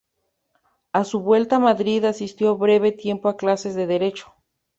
A su vuelta a Madrid, asistió breve tiempo a clases de Derecho.